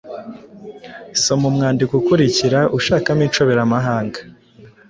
Soma umwandiko ukurikira ushakamo inshoberamahanga,